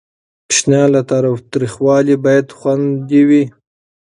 ماشومان له تاوتریخوالي باید خوندي وي.